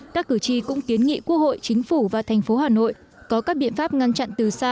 các cử tri cũng kiến nghị quốc hội chính phủ và thành phố hà nội có các biện pháp ngăn chặn từ xa